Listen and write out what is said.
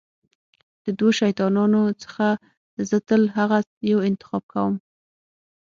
د دوو شیطانانو څخه زه تل هغه یو انتخاب کوم.